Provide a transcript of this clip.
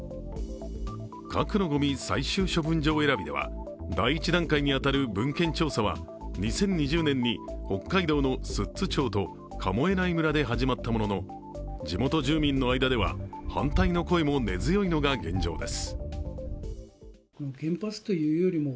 核のごみ最終処分場選びでは第１段階に当たる文献調査は２０２０年に北海道の寿都町と神恵内村で始まったものの地元住民の間では反対の声も根強いのが現状です。